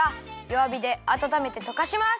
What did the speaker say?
わびであたためてとかします。